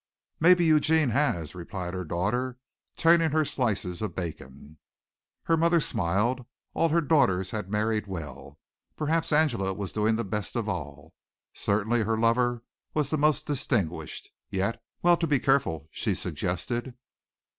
"Maybe Eugene has," replied her daughter, turning her slices of bacon. Her mother smiled. All her daughters had married well. Perhaps Angela was doing the best of all. Certainly her lover was the most distinguished. Yet, "well to be careful," she suggested.